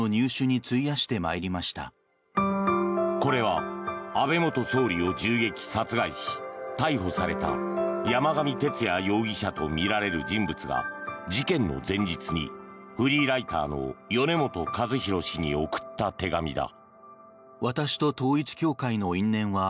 これは安倍元総理を銃撃、殺害し逮捕された山上徹也容疑者とみられる人物が事件の前日にフリーライターの米本和広氏に送った手紙だ。